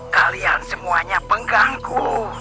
kalian semuanya pengganggu